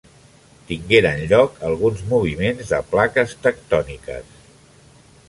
Tingueren lloc alguns moviments de plaques tectòniques.